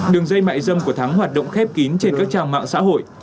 đường dây mại dâm của thắng hoạt động khép kín trên các trang mạng xã hội